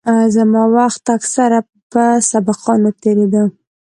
زما وخت اکثره په سبقانو تېرېده.